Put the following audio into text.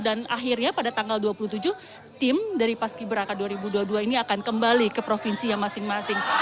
dan akhirnya pada tanggal dua puluh tujuh tim dari pasciberaka dua ribu dua puluh dua ini akan kembali ke provinsinya masing masing